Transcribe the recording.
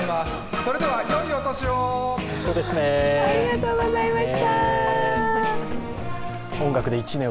それでは、よいお年を！